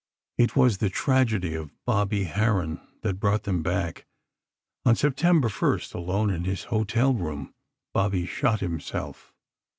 It was the tragedy of Bobby Harron that brought them back. On September first, alone in his hotel room, Bobby shot himself.